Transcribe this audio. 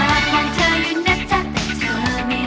คนหารักก็ยังน่าจะเกินอย่าเชื่อเท่าไป